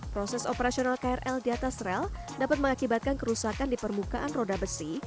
proses operasional krl di atas rel dapat mengakibatkan kerusakan di permukaan roda besi